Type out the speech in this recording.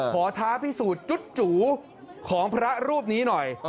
ท้าพิสูจน์จุของพระรูปนี้หน่อย